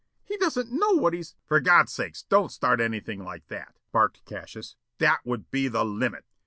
He doesn't know what he's " "For God's sake, don't start anything like that," barked Cassius. "That would be the LIMIT!"